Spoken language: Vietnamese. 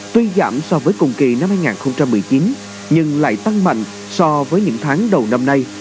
tuy giảm so với cùng kỳ năm hai nghìn một mươi chín nhưng lại tăng mạnh so với những tháng đầu năm nay